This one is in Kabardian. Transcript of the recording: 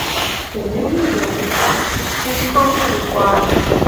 Зыми иремыщӀэ си щхьэм кърикӀуар.